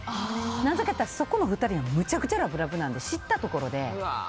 なぜかというと、そこの２人はむちゃくちゃラブラブなので知ったところで。